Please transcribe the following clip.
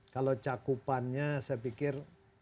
kalau cakupannya saya pikir